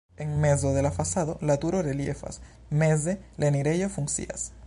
En mezo de la fasado la turo reliefas, meze la enirejo funkcias.